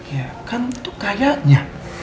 iya kan tuh kayaknya